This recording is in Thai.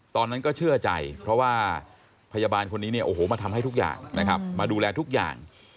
ตอนนั้นก็เชื่อใจเพราะว่าพยาบาลคนนี้มาทำให้ทุกอย่างมาดูแลทุกอย่าง